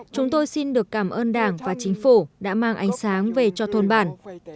chúng tôi xin được cảm ơn đảng và chính phủ đã mang ánh sáng về cho thôn bản